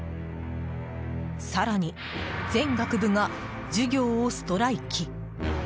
更に、全学部が授業をストライキ。